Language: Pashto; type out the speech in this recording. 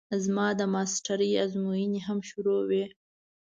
زما د ماسټرۍ ازموينې هم شروع وې.